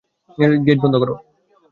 Gate বন্ধ করো।